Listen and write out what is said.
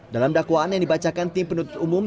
dalam dakwaan yang dibacakan tim penuntut umum